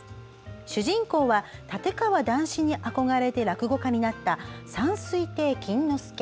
主人公は立川談志に憧れて落語家になった山水亭錦之助。